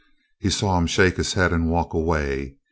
He saw him shake his head and walk away.